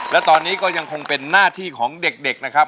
และตอนนี้ก็ยังคงเป็นหน้าที่ของเด็กนะครับ